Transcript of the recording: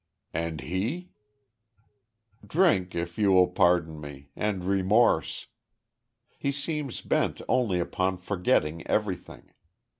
"And he?" "Drink, if you will pardon me and remorse. He seems bent only upon forgetting everything.